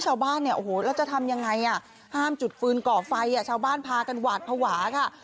ห้ามจุดฟืนเกาะไฟชาวบ้านพากันหวาดภวาค่ะ